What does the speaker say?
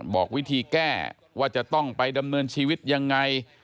บอกวิธีแก้ว่าจะต้องไปดำเนินชีวิตยังไง